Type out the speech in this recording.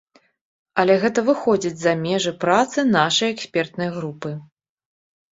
Але гэта выходзіць за межы працы нашай экспертнай групы.